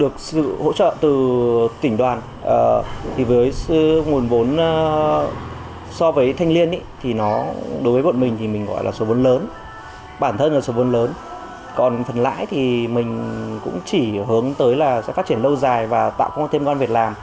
còn phần lãi thì mình cũng chỉ hướng tới là sẽ phát triển lâu dài và tạo có thêm con việt làm